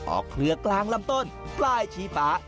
ออกเคลือกกลางลำต้นปลายชีภา